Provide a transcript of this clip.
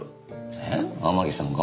えっ天樹さんが？